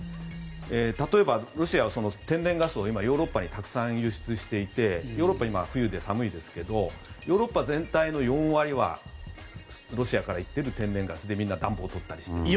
例えば、ロシアは天然ガスを今、ヨーロッパにたくさん輸出していてヨーロッパは今は冬で寒いですがヨーロッパ全体の４割はロシアから言っている天然ガスでみんな暖房を取っている。